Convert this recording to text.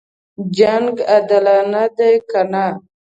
جنګ عادلانه دی کنه.